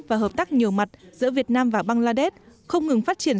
và hợp tác nhiều mặt giữa việt nam và bangladesh không ngừng phát triển